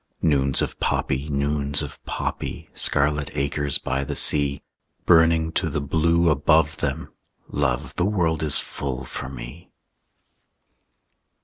Noons of poppy, noons of poppy, Scarlet acres by the sea Burning to the blue above them; Love, the world is full for me.